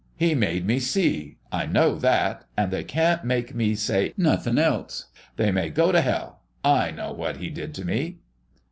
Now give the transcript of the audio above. He made me see. I know that, and they can't make me say nothing else. They may go to hell! I know what He did to me."